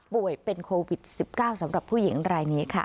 ป่วยเป็นโควิด๑๙สำหรับผู้หญิงรายนี้ค่ะ